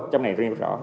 trong này riêng rõ